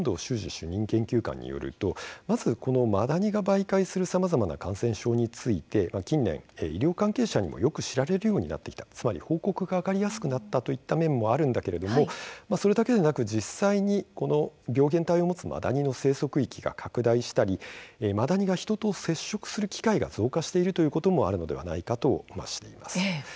主任研究官によるとまず、マダニが媒介する感染症について医療関係者などの間にもよく知られるようになってきたつまり、報告が上がりやすくなってきたという面もあるんだけれどもそれだけでなく実際に病原体を持つマダニの生息域が拡大したりマダニが人と接触する機会が増加しているといったこともあるのではないかとしています。